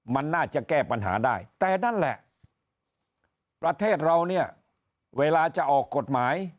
มันน่าจะแก้ปัญหาได้แต่นั่นแหละประเทศเราเนี่ยเวลาจะออกกฎหมาย